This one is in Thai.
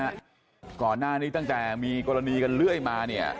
กอเราก็นานนี้ตั้งแต่มีกรณีกันเรื่อยมา